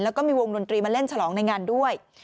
แล้วก็มีวงดนตรีมาเล่นฉลองในงานด้วย